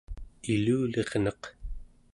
ilulirneq